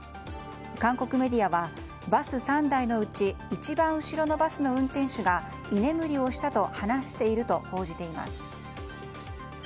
韓国メディアは、バス３台のうち一番後ろのバスの運転手が居眠りをしたと話していると報じています。